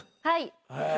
はい。